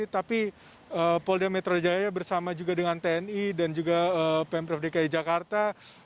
tapi polda metro jaya bersama juga dengan tni dan juga pemprov dki jakarta